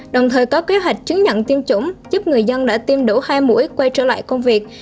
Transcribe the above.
đồng thời có kế hoạch chứng nhận tiêm chủng giúp người dân đã tiêm đủ hai mũi quay trở lại công việc